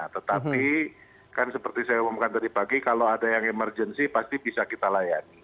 tetapi kan seperti saya umumkan tadi pagi kalau ada yang emergency pasti bisa kita layani